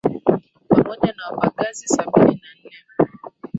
Pamoja na wapagazi sabini na nne